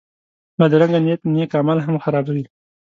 بدرنګه نیت نېک عمل هم خرابوي